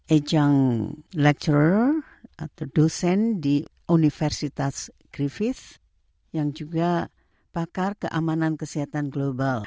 ajang lecturer atau dosen di universitas griffith yang juga pakar keamanan kesehatan global